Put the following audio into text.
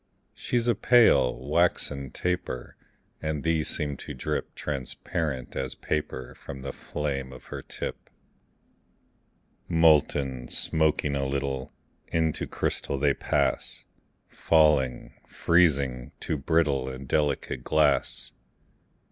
She's a pale, waxen taper; And these seem to drip Transparent as paper From the flame of her tip. Molten, smoking a little, Into crystal they pass; Falling, freezing, to brittle And delicate glass.